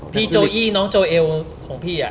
โจอี้น้องโจเอลของพี่